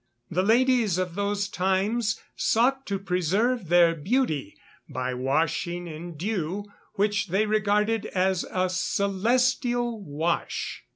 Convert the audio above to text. The ladies of those times sought to preserve their beauty by washing in dew, which they regarded as a "celestial wash."